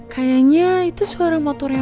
kayaknya itu suara motornya